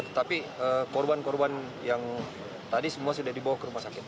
tetapi korban korban yang tadi semua sudah dibawa ke rumah sakit